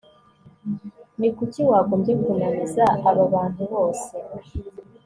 ni kuki wagombye kunaniza aba bantu bose